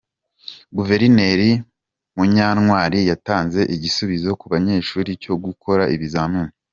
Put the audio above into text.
Guverineri Munyantwali yatanze igisubizo ku banyeshuri cyo gukora ibizamini